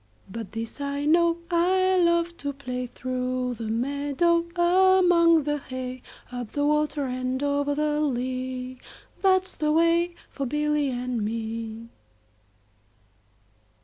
20 But this I know, I love to play Through the meadow, among the hay; Up the water and over the lea, That 's the way for Billy and me.